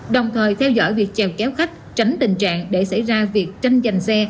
đồng thời theo dõi việc trèo kéo khách tránh tình trạng để xảy ra việc tranh giành xe